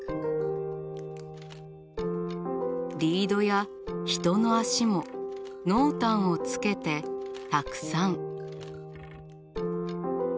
リードや人の足も濃淡をつけてたくさん。